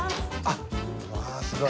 わあすごい。